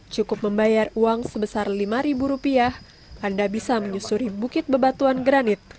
cukup membayar uang sebesar lima rupiah anda bisa menyusuri bukit bebatuan granit